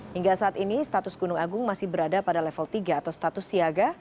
hingga saat ini status gunung agung masih berada pada level tiga atau status siaga